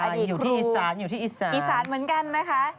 อยู่ที่อีสานอีสานเหมือนกันนะคะ